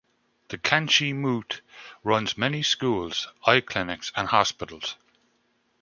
The Kanchi Mutt runs many schools, eye clinics and hospitals.